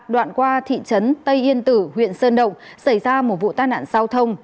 đoạn qua thị trấn tây yên tử huyện sơn động xảy ra một vụ tai nạn giao thông